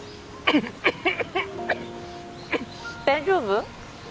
大丈夫？